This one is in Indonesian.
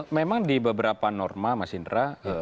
memang di beberapa norma mas indra